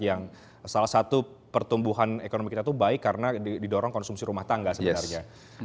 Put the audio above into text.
yang salah satu pertumbuhan ekonomi kita itu baik karena didorong konsumsi rumah tangga sebenarnya